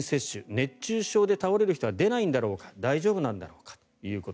熱中症で倒れる人は出ないんだろうか大丈夫なんだろうかと。